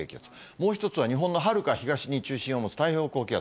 もう１つは日本のはるか東に中心を持つ太平洋高気圧。